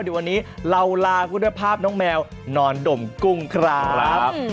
เดี๋ยววันนี้เราลาคุณด้วยภาพน้องแมวนอนดมกุ้งครับ